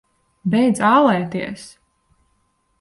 Beidz ālēties!